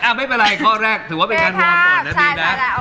ไม่เป็นไรข้อแรกถือว่าเป็นการวอร์มก่อนนะบีมนะ